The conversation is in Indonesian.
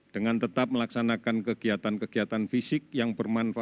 dengan tetap melaksanakan kegiatan kegiatan fisik yang bermanfaat